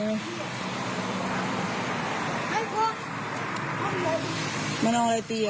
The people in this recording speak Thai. มันมันเอาอะไรตีอ่ะ